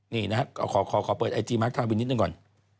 นี่นะฮะก็ขอเปิดไอจีมาร์คทางวินนิดนึงก่อน